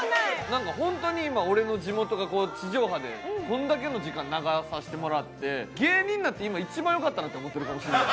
なんかホントに今俺の地元が地上波でこんだけの時間流させてもらって芸人になって今一番よかったなって思ってるかもしんない。